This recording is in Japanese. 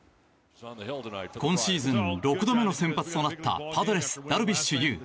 今シーズン６度目の先発となったパドレス、ダルビッシュ有。